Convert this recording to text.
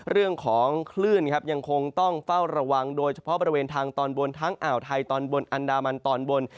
เรื่องของคลื่นครับยังคงต้องเฝ้าระวังโดยเฉพาะบริเวณทางตอนบนทั้งอ่าวไทยตอนบนอันดามันตอนบน